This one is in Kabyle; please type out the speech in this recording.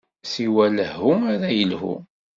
Siwa lehhu ara yelhu.